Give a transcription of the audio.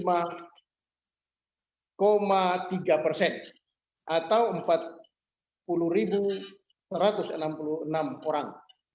atau empat puluh satu ratus enam puluh enam orang